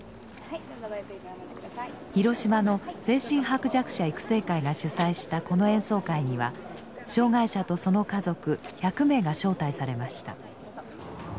広島の精神薄弱者育成会が主催したこの演奏会には障害者とその家族１００名が招待されました。